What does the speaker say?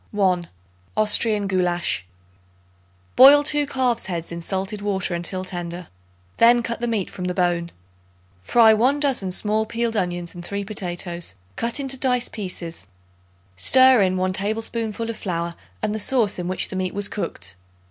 _ 1. Austrian Goulasch. Boil 2 calves' heads in salted water until tender; then cut the meat from the bone. Fry 1 dozen small peeled onions and 3 potatoes, cut into dice pieces; stir in 1 tablespoonful of flour and the sauce in which the meat was cooked.